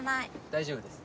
大丈夫です。